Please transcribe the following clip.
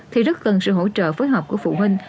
thì rất cần sự hỗ trợ phối hợp của phụ huynh